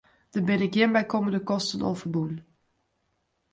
Der binne gjin bykommende kosten oan ferbûn.